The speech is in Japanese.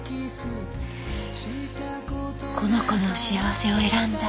この子の幸せを選んだ。